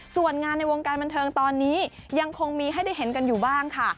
ส่วนงานในวงการบันเทิงตอนนี้ยังคงมีให้ได้เห็นกันอยู่บ้างค่ะ